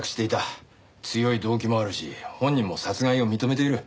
強い動機もあるし本人も殺害を認めている。